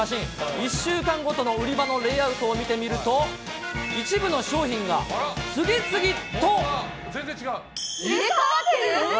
１週間ごとの売り場のレイアウトを見てみると、一部の商品が次々と。